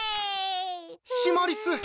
シマリス！